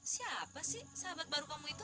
siapa sih sahabat baru kamu itu